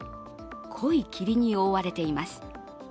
濃い霧に覆われています。